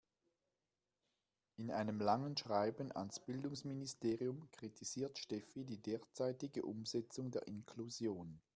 In einem langen Schreiben ans Bildungsministerium kritisiert Steffi die derzeitige Umsetzung der Inklusion.